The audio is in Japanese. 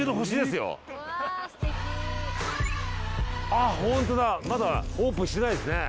あっほんとだまだオープンしてないですね。